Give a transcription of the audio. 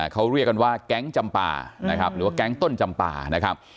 เขาเรียกกันว่าแก๊งจำปานะครับหรือว่าแก๊งต้นจำปานะครับ